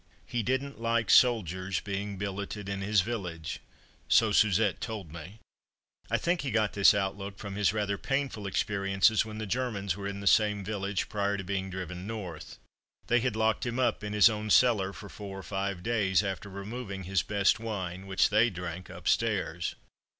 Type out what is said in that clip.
He didn't like soldiers being billeted in his village, so Suzette told me. I think he got this outlook from his rather painful experiences when the Germans were in the same village, prior to being driven north. They had locked him up in his own cellar for four or five days, after removing his best wine, which they drank upstairs.